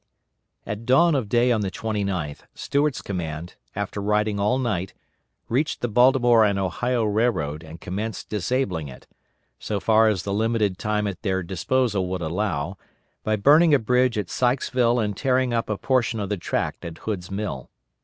At dawn of day on the 29th, Stuart's command, after riding all night, reached the Baltimore and Ohio Railroad and commenced disabling it, so far as the limited time at their disposal would allow, by burning a bridge at Sykesville and tearing up a portion of the track at Hood's Mill.